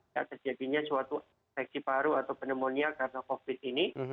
ya terjadinya suatu infeksi paru atau pneumonia karena covid ini